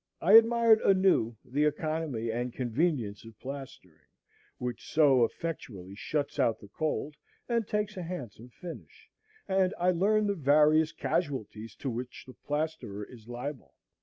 I admired anew the economy and convenience of plastering, which so effectually shuts out the cold and takes a handsome finish, and I learned the various casualties to which the plasterer is liable.